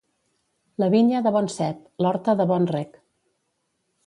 La vinya de bon cep; l'horta de bon reg.